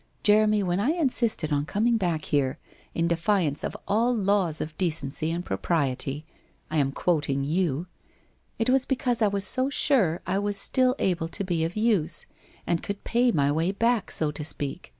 ... Jeremy, when I insisted on coming back here, in defiance of all laws of decency and pro priety — I am quoting you — it was because I was so sure I was still able to be of use, and could pay my way back, so to speak.